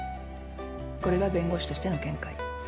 これが弁護士としての見解。